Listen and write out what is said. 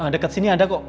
deket sini ada kok